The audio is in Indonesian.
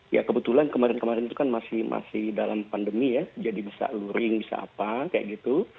ya kebetulan kemarin kemarin itu kan masih dalam pandemi ya jadi bisa luring bisa apa kayak gitu